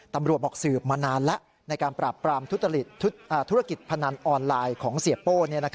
ตำรวจบอกสืบมานานแล้วในการปราบปรามทุจริตธุรกิจพนันออนไลน์ของเสียโป้